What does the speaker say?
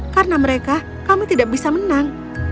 karena mereka kami tidak bisa menang